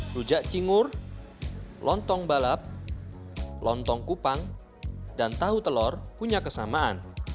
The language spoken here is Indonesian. rujak cingur lontong balap lontong kupang dan tahu telur punya kesamaan